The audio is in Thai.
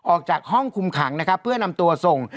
ออกจากห้องคุมขังนะครับเพื่อนำตัวส่ง